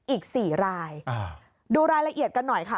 อีก๔รายดูรายละเอียดกันหน่อยค่ะ